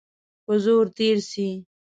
په زور تېر سي.